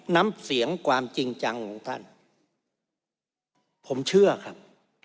น้ำเสียงความจริงจังของท่านผมเชื่อครับ